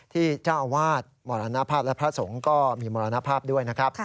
ที่เจ้าอาวาสมรณภาพและพระสงฆ์ก็มีมรณภาพด้วยนะครับ